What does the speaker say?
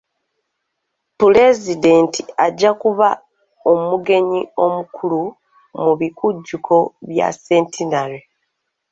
Pulezidenti ajja kuba omugenyi omukulu mu bikujjuko bya centenary.